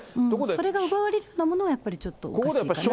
それが奪われるのはやっぱりちょっとおかしいかなと。